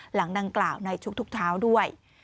หลังดังกล่าวในทุกเท้าด้วย